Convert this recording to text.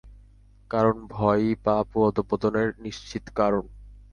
কারণ ভয়ই পাপ ও অধঃপতনের নিশ্চিত কারণ।